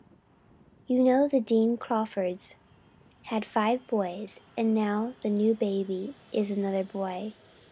You know the Dean Crawfords had five boys and now the new baby is another boy.